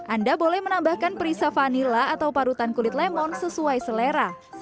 anda boleh menambahkan perisa vanila atau parutan kulit lemon sesuai selera